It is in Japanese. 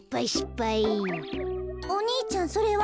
お兄ちゃんそれは？